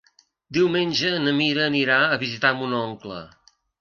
Diumenge na Mira anirà a visitar mon oncle.